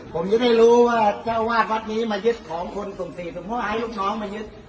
ผมจะได้รู้ว่าเจ้าวาดวัดนี้มายึดของคนกลุ่มสี่หลวงพ่อให้ลูกน้องมายึด